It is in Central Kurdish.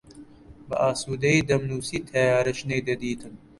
بە ئاسوودەیی دەمنووسی، تەیارەش نەیدەدیتم